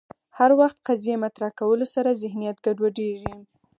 هر وخت قضیې مطرح کولو سره ذهنیت ګډوډېږي